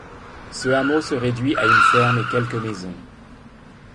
Ce hameau se réduit à une ferme et quelques maisons.